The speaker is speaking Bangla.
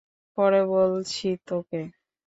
পরে বলছি তোকে।